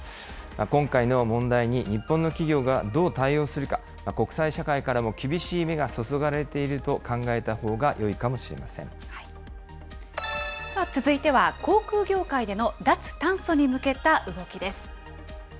今回の問題に日本の企業がどう対応するか、国際社会からも厳しい目が注がれていると考えたほうがよいかもしでは続いては、航空業界での脱炭素に向けた動きです。